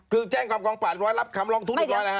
คือแจ้งความกองปราบรับคำลองทุนรับร้อยนะครับ